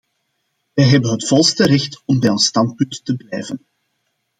Wij hebben het volste recht om bij ons standpunt te blijven.